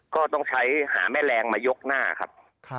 ก็ต้องใช้หาแม่แรงมายกหน้าครับ